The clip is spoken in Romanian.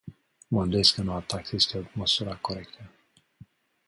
Mă îndoiesc că noua taxă este măsura corectă.